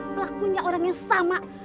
ini pasti pelakunya orang yang sama